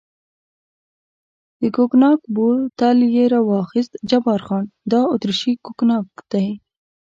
د کوګناک بوتل یې را واخیست، جبار خان: دا اتریشي کوګناک دی.